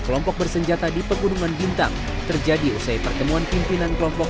kelompok bersenjata di pegunungan bintang terjadi usai pertemuan pimpinan kelompok